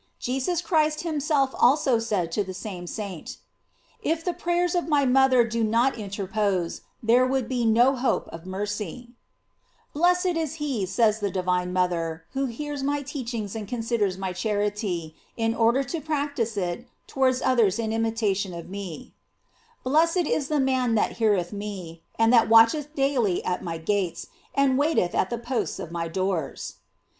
Jesus Christ himself also said to the same saint: "If the prayers of my mother did not interpose, there would be no hope of mercy. "^ Blessed is he, says the divine mother, who hears my teachings and considers my charity, in order to practise it towards others in imitation of me: "Blessed is the man that heareth me, and * Sic Maria dilexit mundnm, nt fllinm suura unigenitam daret.